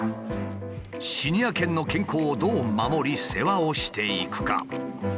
シニア犬の健康をどう守り世話をしていくか。